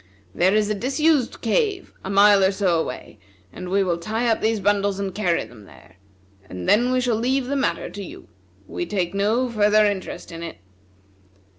There is a disused cave, a mile or so away, and we will tie up these bundles and carry them there; and then we shall leave the matter to you. We take no further interest in it.